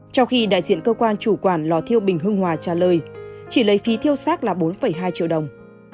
trong khi đại diện cơ quan chủ quản lò thiêu bình hưng hòa trả lời chỉ lấy phí thiêu xác là bốn hai triệu đồng